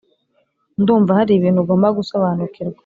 ndumva haribintu ugomba gusobanukirwa;